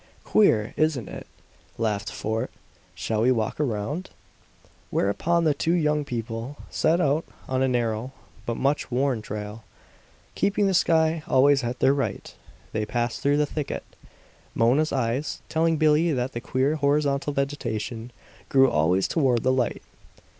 "Queer, isn't it?" laughed Fort. "Shall we walk around?" Whereupon the two young people set out on a narrow, but much worn trail. Keeping the sky always at their right, they passed through the thicket, Mona's eyes telling Billie that the queer horizontal vegetation grew always toward the light.